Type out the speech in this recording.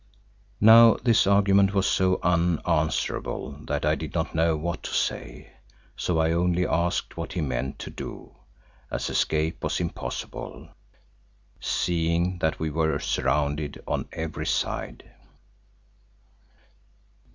Now this argument was so unanswerable that I did not know what to say. So I only asked what he meant to do, as escape was impossible, seeing that we were surrounded on every side.